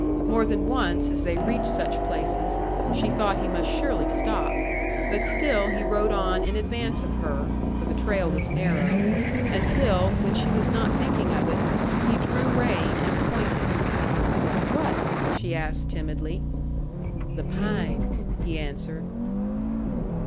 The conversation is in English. More than once as they reached such places, she thought he must surely stop; but still he rode on in advance of her (for the trail was narrow) until, when she was not thinking of it, he drew rein and pointed. "What?" she asked timidly. "The pines," he answered.